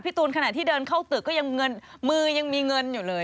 ตูนขณะที่เดินเข้าตึกก็ยังเงินมือยังมีเงินอยู่เลย